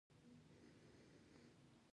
تناقض دلیل د نوي عصر الزامات دي.